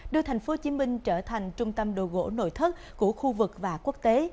đưa thành phố hồ chí minh trở thành trung tâm đồ gỗ nội thất của khu vực và quốc tế